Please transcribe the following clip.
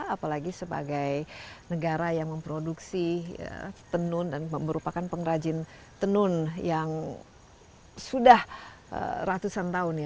apalagi sebagai negara yang memproduksi tenun dan merupakan pengrajin tenun yang sudah ratusan tahun ya